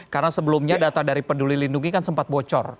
karena sebelumnya data dari peduli lindungi kan sempat bocor